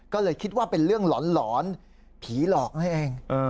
ก็เลยคิดว่าเป็นเรื่องหลอนผีหลอกนั่นเอง